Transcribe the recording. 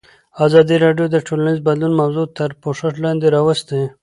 ازادي راډیو د ټولنیز بدلون موضوع تر پوښښ لاندې راوستې.